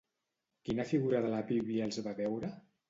Quina figura de la Bíblia els va veure?